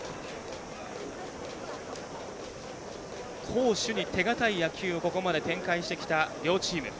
攻守に手堅い野球を展開してきた両チーム。